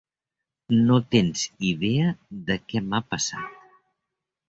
No tens idea de què m'ha passat.